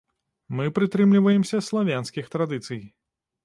Мы прытрымліваемся славянскіх традыцый.